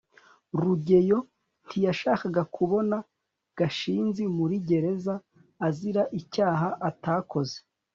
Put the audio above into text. rugeyo ntiyashakaga kubona gashinzi muri gereza azira icyaha atakoze